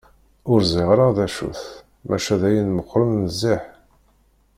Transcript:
Ur ẓriɣ ara d acu-t, maca d ayen meqqren nezzeh.